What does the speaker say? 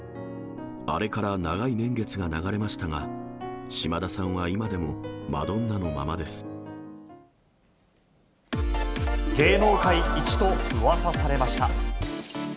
あれから長い年月が流れましたが、島田さんは今でもマドンナのまま芸能界一とうわさされました。